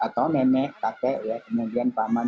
atau nenek kakek ya kemudian paman